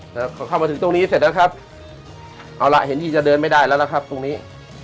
แต่พอเข้ามาถึงตรงนี้เสร็จแล้วครับเอาล่ะเห็นที่จะเดินไม่ได้แล้วล่ะครับตรงนี้